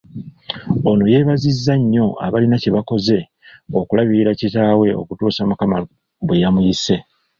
Ono yeebazizza nnyo abalina kye bakoze okulabirira kitaabwe okutuusa Mukama bwe yamuyise.